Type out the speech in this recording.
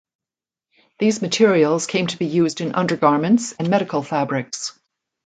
These materials came to be used in undergarments and medical fabrics.